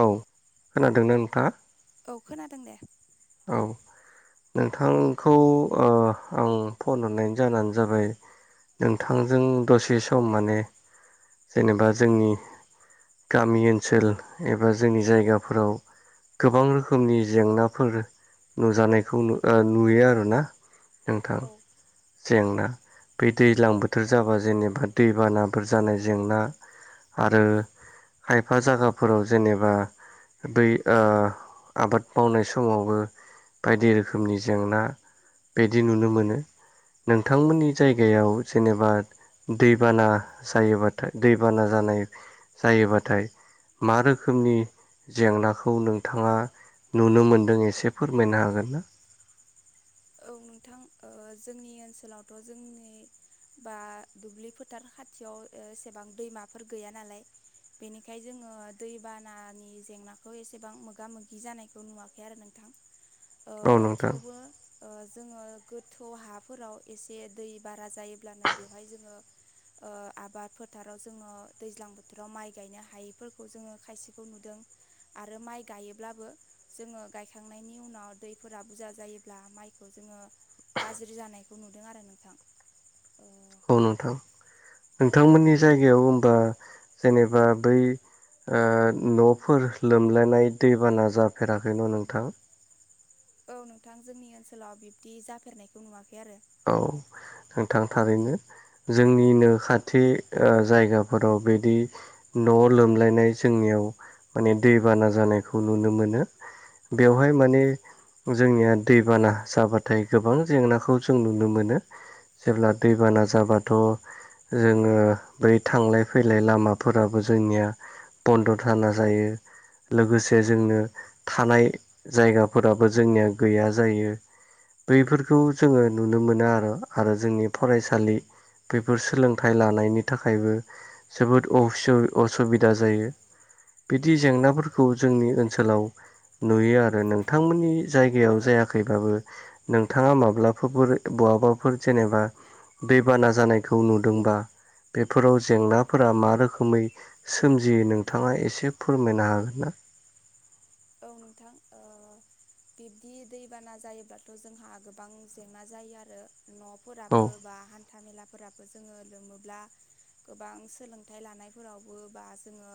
औ खोनादोंना नोंथाङा? औ खोनादों दे औ नोंथांखौ ओ आं फन हरनायनि जाहोनानो जाबाय नोंथांजों दसे सम माने जेनेबा जोंनि गामि ओनसोल एबा जोंनि जायगाफोराव गोबां रोखोमनि जेंनाफोर नुजानायखौ नु ओ नुयो आरै ना नोंथां औ जेंना बे दैज्लां बोथोर जाबा जेनेबा दैबानाफोर जानाय जेंना आरो खायफा जागाफोराव जेनेबा बै ओ आबाद मावनाय समावबो बायदि रोखोमनि जेंना बेदि नुनो मोनो नोंथांमोननि जायगायाव जेनेबा दैबाना जायोबाथाय दैबाना जानाय जायोबाथाय मा रोखोमनि जेंनाखौ नोंथाङा नुनो मोनदों एसे फोरमायनो हागोन ना? औ नोंथां ओ जोंनि ओनसोलावथ' जोंनि बा दुब्लि फोथार खाथियाव ओ एसेबां दैमाफोर गैया नालाय बेनिखाय जोङो दैबानानि जेंनाखौ एसेबां मोगा मोगि जानायखौ नुवाखै आरो नोंथां ओ औ नोंथां थेवबो ओ जोङो गोथौ हाफोराव एसे दै बारा जायोब्लानो बेवहाय जोङो ओ आबाद फोथाराव जोङो दैज्लां बोथोराव माइ गायनो हायैफोरखौ जोङो खायसेखौ नुदों आरो माइ गायोब्लाबो जोङो गायखांनायनि उनाव दैफोरा बुजा जायोब्ला माइ खौ जोङो गाज्रि जानायखौ नुदों आरो नोंथां ओ औ नोंथां नोंथांमोननि जायगायाव होमबा जेनेबा बै ओ न'फोर लोमलायनाय दैबाना जाफेराखै न' नोंथां औ नोंथां जोंनि ओनसोलाव बिब्दि जाफेरनायखौ नुवाखै आरो औ नोंथां थारैनो जोंनिनो खाथि ओ जायगाफोराव बेदि न' लोमलायनाय जोंनियाव माने दैबाना जानायखौ नुनो मोनो बेवहाय माने जोंनिया दैबाना जाबाथाय गोबां जेंनाखौ जों नुनो मोनो जेब्ला दैबाना जाबाथ' जोङो बै थांलाय फैलाय लामाफोराबो जोंनिया बन्द थाना जायो लोगोसे जोंनो थानाय जायगाफोराबो जोंनिया गैया जायो बैफोरखौ जोङो नुनो मोना आर आरो जोंनि फरायसालि बेफोर सोलोंथाइ लानायनि थाखायबो जोबोद असु असुबिदा जायो। बिदि जेंनाफोरखौ जोंनि ओनसोलाव नुयो आरो नोंथांमोननि जायगायाव औ जायाखैबाबो नोंथाङा माब्ला [unintelligible] फोर बहाबाफोर जेनेबा दैबाना जानायखौ नुदोंबा बेफोराव जेंनाफोरा मा रोखोमै सोमजियो नोंथाङा एसे फोरमायनो हागोन ना? औ नोंथां ओ बिब्दि दैबाना जायोब्लाथ' जोंहा गोबां जेंना जायो आरो न' फोराबो औ बा हा न्था मेलाफोराबो जोङो लोमोब्ला गोबां सोलोंथाइ लानायफोरावबो बा जोङो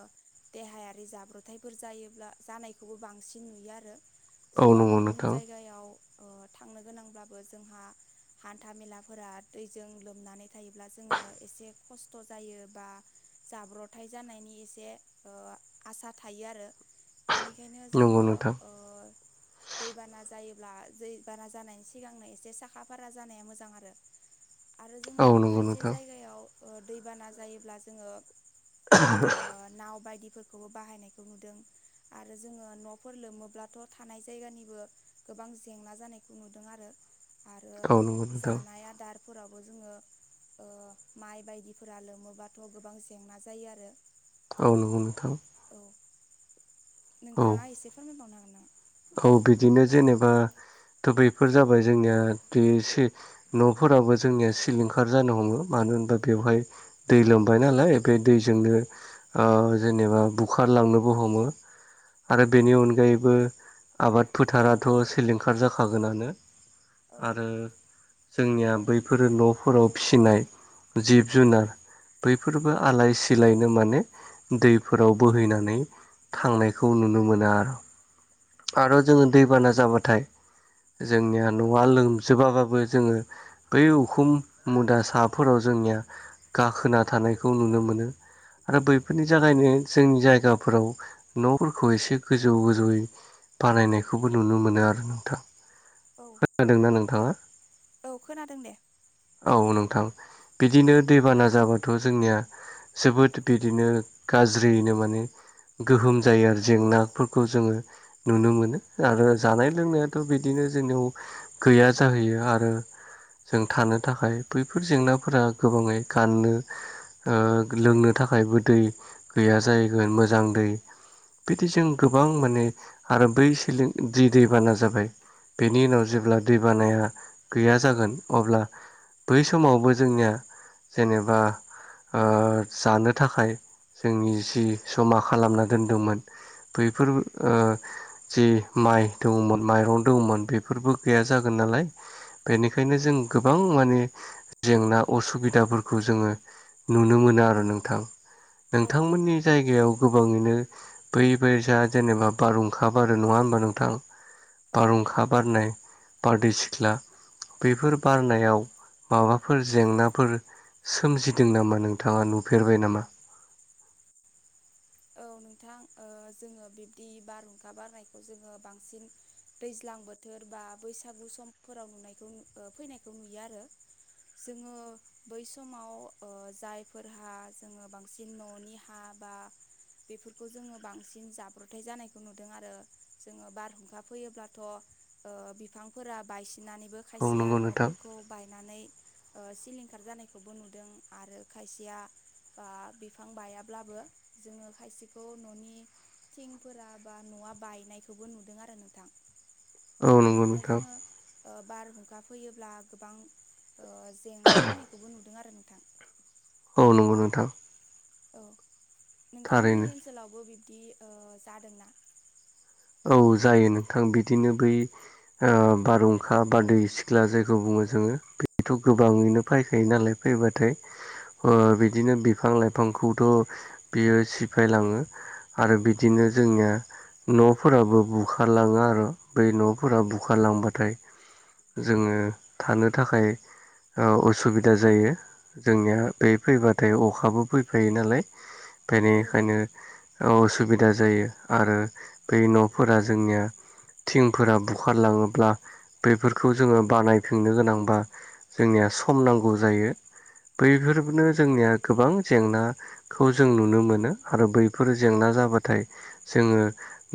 देहायारि जाब्रथाइफोर जायोब्ला जानाय खौबो बांसिन नुयो आरो औ जोङो नंगौ गुबुन नोंथां जायगायाव ओ थांनो गोनांब्लाबो जोंहा हान्था मेलाफोरा दैजों लोमनानै थायोब्ला जोङो एसे खस्थ' जायो बा जाब्रथाय जानायनि एसे ओ आसा थायो आरो। बेनिखायनो नंगौ जोंङो नोंथां ओ दैबाना जायोब्ला जैबाना जानायनि सिगांनो एसे साखा फारा जानाया मोजां आरो। आरो औ जोङो नंगौ खायसे नोंथां जायगायाव ओ दैबाना जायोब्ला जोङो ओ नाउ बायदिफोरखौबो बाहायनायखौ नुदों। आरो जोङो न'फोर लोमोब्लाथ' थानाय जायगानिबो गोबां जेंना जानायखौ नुदों आरो आरो औ नंगौ नोंथां जानाय आदार फोरावबो जोङो ओ माइ बायदिफोरा लोमोबाथ' गोबां जेंना जायो आरो। औ नंगौ नोंथां। औ। औ नोंथाङा एसे फोरमायबावनो हागोन नामा? औ बिदिनो जेनेबा थ' बेफोर जाबाय जोंनिया बेसे न'फोराबो जोंनिया सिलिंखार जानो हमो मानो होनबा बेवहाय दै लोमबाय नालाय बे दैजोंनो ओ जेनेबा बुखारलांनोबो हमो आरो बेनि अनगायैबो आबाद फोथाराथ सिलिंखार जाखागोनानो औ आरो जोंनिया बैफोरो न'फोराव फिसिनाय जिब जुनार बैफोरबो आलाय सिलायनो माने दैफोराव बोहैनानै थांनायखौ नुनो मोनो आर। आर जोंओ दैबाना जाबाथाय जोंनिया न'आ लोमजोबाबाबो जोङो बै उखुम मुदा साफोराव जोंनिया गाखोना थानायखौ नुनो मोनो। आरो बैफोरनि जागायनो जोंनि जायगाफोराव नफोरखौ एसे गोजौ गोजौयै बानायनायखौबो नुनो मोनो आरो नोंथां। औ खोनादोंना नोंथाङा? औ खोनादों दे। औ नोंथां बिदिनो दैबाना जाबाथ जोंनिया जोबोद बिदिनो गाज्रियैनो माने गोहोम जायो आरो जेंनाफोरखौ जोङो नुनो मोनो आरो जानाय लोंनायाथ बिदिनो जोंनियाव गैया जाहैयो आरो जों थानो थाखाय बैफोर जेंनाफोरा गोबाङै गाननो ओ लोंनो थाखायबो दै गैया जाहैगोन मोजां दै। बिदिजों गोबां माने आरो बै सिलिं जि दैबाना जाबाय बेनि उनाव जेब्ला दै बानाया गैया जागोन अब्ला बै समावबो जोंनिया जेनेबा ओ जानो थाखाय जोंनि जि जमा खालामना दोनदोंमोन बैफोरबो ओ जि माइ दंमोन माइरं दंमोन बेफोरबो गैया जागोन नालाय बेनिखायनो जों गोबां माने जेंना असुबिदाफोरखौ जोङो नुनो मोनो आरो नोंथां। औ नोंथांमोननि जायगायाव गोबाङैनो बै बे जा जेनेबा बारहुं खा बारो नङा होमबा नोंथां औ बारहुंखा बारनाय बारदै सिख्ला बेफोर बारनायाव माबाफोर जेंनाफोर सोमजिदों नामा नोंथाङा नुफेरबाय नामा? औ नोंथां ओ जोङो बिब्दि बारहुंखा बारनायखौ जोङो बांसिन दैज्लां बोथोर बा बैसागु समफोराव नुनायखौ ओ फैनायखौ नुयो आरो। जोङो बै समाव ओ जायफोरहा जोङो बांसिन न'नि हा बा बेफोरखौ जोङो बांसिन जाब्रथाय जानायखौ नुदों आरो जोङो बारहुंखा फैयोब्लाथ ओ बिफांफोरा बायसिननानैबो औ खायसेया नंगौ नोंथां न'फोरखौ बायनानै ओ सिलिंखार जानायखौबो नुदों आरो खायसेया बा बिफां बायाब्लाबो जोङो खायसेखौ न'नि थिंफोरा बा न'आ बायनायखौबो नुदों आरो नोंथां। औ नंगौ बिदिनो नोंथां जोङो ओ बारहुंखा फैयोब्ला गोबां ओ जेंना फैनायखौबो नुदों आरो नोंथां। औ नंगौ नोंथां। औ थारैनो नोंथांमोननि ओनसोलावबो बिब्दि ओ जादोंना? औ जायो नोंथां बिदिनो बै ओ बारहुंखा बारदै सिख्ला जायखौ बुङो जोङो बेथ' गोबाङैनो फायखायो नालाय फैबाथाय ओ औ बि दिनो बिफां लाइफांखौथ' बियो सिफायलाङो। आरो बिदिनो जोंनिया न' फोराबो बुखारलाङो आरो बै न'फोरा बुखारलांबाथाय जोङो थानो थाखाय औ उसुबिदा जायो। जोंनिया बे फैबाथाय अखाबो फैफायो नालाय। ओंखायनो औ एखायनो अ' उसुबिदा जायो आरो बै न'फोरा जोंनिया थिंफोरा बुखारलाङोब्ला बेफोरखौ जोङो बानायफिननो गोनांबा जोंनिया सम नांगौ जायो बैफोरनो जोंनिया गोबां जेंना खौ जों नुनो मोनो आरो बैफोर जेंना जाबाथाय जोङो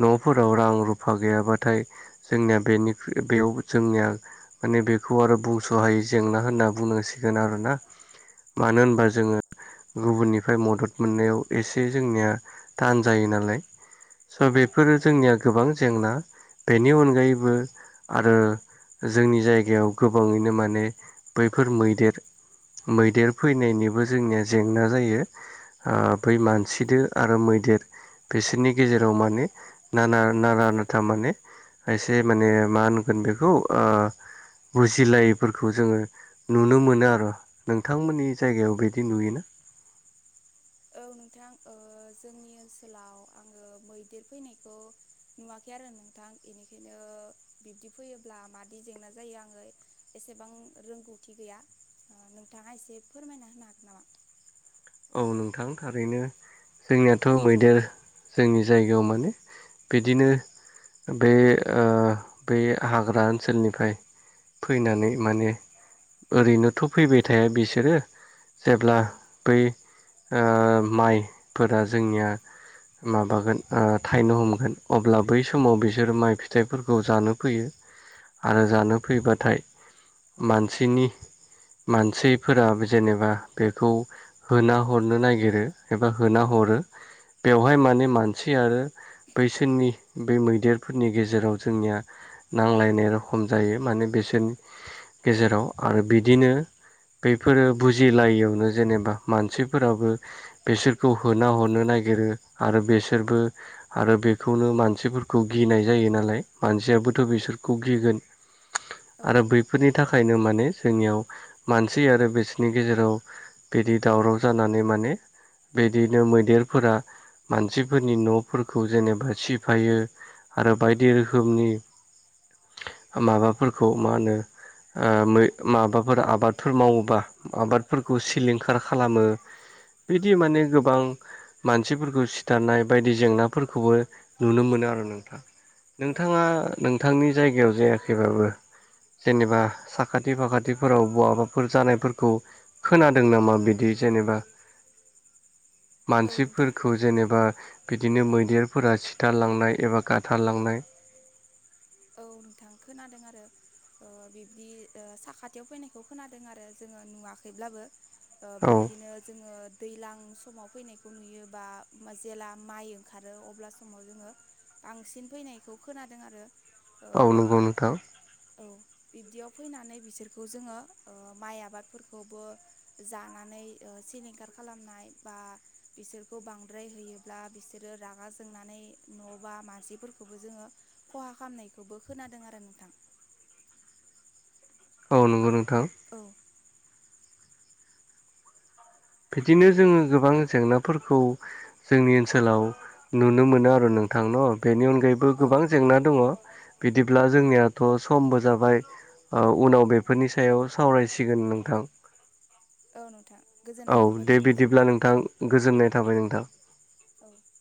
न'फोराव रां रुफा गैयाबाथाय जोंनिया बेनिख्रु बेयाव जोंनिया माने बेखौ आरो बुंस'हायै जेंना होनना बुंनांसिगोन आरोना औ मानो होनबा जोङो गुबुननिफ्राय मदद मोननायाव एसे जोंनिया थान जायो नालाय। स' बेफोरो जोंनिया गोबां जेंना बेनि अनगायैबो आरो जोंनि जायगायाव गोबाङैनो माने बैफोर मैदेर मैदेर फैनायनिबो जोंनिया जेंना जायो। ओ बै मानसिदो आरो मैदेर बिसोरनि गेजेराव माने नाना नारा नाथा माने खायसे माने मा होनगोन बेखौ ओ बुजिलायैफोरखौ जोङो नुनो मोनो आर' नोंथांमोननि जायगायाव बिदि नुयोना? औ नोंथां ओ जोंनि ओनसोलाव आङो मैदेर फैनायखौ नुवाखै आरो नोंथां इनिखायनो बिब्दि फैयोब्ला मादि जेंना जायो आङो एसेबां रोंगौथि गैया ओ नोंथाङा एसे फोरमायना होनो हागोन नामा? औ नोंथां थारैनो। जोंनियाथ' मैदेर जोंनि जायगायाव माने बिदिनो बे ओ बे हाग्रा ओनसोलनिफ्राय फैनानै माने ओरैनोथ' फैबाय थाया बिसोरो जेब्ला औ बै ओ माइफोरा जोंनिया माबागोन ओ थाइनो हमगोन अब्ला बै समाव बिसोरो माइ फिथाइफोरखौ जानो फैयो। आरो जानो फैबाथाय मानसिनि मानसिफोरा जेनेबा बेखौ होना हरनो नागिरो एबा होना हरो औ बेवहाय माने मानसि आरो बैसोरनि बे मैदेरफोरनि गेजेराव जोंनिया नांलायनाय रखम जायो माने बिसोरनि गेजेराव आरो बिदिनो बैफोरो बुजिलायियावनो जेनेबा मानसिफोराबो बेसोरखौ होना हरनो नागिरो आरो बेसोरबो आरो बेखौनो मानसिफोरखौ गिनाय जायो नालाय मानसियाबोथ' बिसोरखौ गिगोन। आरो बै फोरनि थाखायनो माने जोंनियाव मानसि आरो बिसोरनि गेजेराव बिदि दावराव जानानै माने बेदिनो मैदेरफोरा मानसिफोरनि न'फोरखौ जेनेबा सिफायो। आरो बायदि रोखोमनि माबाफोरखौ मा होनो ओ मै माबाफोर आबादफोर मावोबा आबादफोरखौ सिलिंखार खालामो बिदि माने गोबां मानसिफोरखौ सिथारनाय बायदि जेंनाफोरखौबो नुनो मोनो आरो नोंथां। औ नोंथाङा नोंथांनि जायगायाव जायाखैबाबो जेनेबा साखाथि फाखाथिफोराव बहाबाफोर जानायफोरखौ खोनादों नामा बिद दि जेनेबा औ नोंथां मानसिफोरखौ जेनेबा बिदिनो मैदेरफोरा सिथारलांनाय एबा गाथारलांनाय। औ नोंथां खोनादों आरो। ओ बिब्दि ओ साखाथियाव फैनायखौ खोनादों आरो जोङो नुवाखैब्लाबो। ओ औ बिब्दनो जोङो दैलां समाव फैनायखौ नुयो बा जेला माइ ओंखारो अब्ला समाव जोङो बांसिन फैनायखौ खोनादों आरो ओ औ नंगौ नोंथां औ। बिब्दियाव फैनानै बिसोरखौ जोङो ओ माइ आबादफोरखौबो जानानै ओ सिलिं खार खालामनाय बा बिसोरखौ बांद्राय होयोब्ला बिसोरो रागा जोंनानै न' बा मानसिफोरखौबो जोङो खहा खामनायखौबो खोनादों आरो नोंथां। औ नंगौ नोंथां। औ बिदिनो जोङो गोबां जेंनाफोरखौ जोंनि ओनसोलाव नुनो मोनो आरो नोंथां न' बेनि अनगायै बो औ गोबां जेंना दङ बिदिब्ला जोंनियाथ' समबो जाबाय। ओ उनाव बेफोरनि सायाव सावरायसिगोन नोंथां। औ नोंथां। औ गोजोननाय थाबाय दे नोंथांसिम बिदिब्ला नोंथां गोजोननाय थाबाय नोंथां। औ